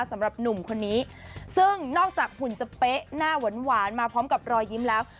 สำหรับหนุ่มคนนี้ซึ่งนอกจากหุ่นจะเป๊ะหน้าหวานมาพร้อมกับรอยยิ้มแล้ว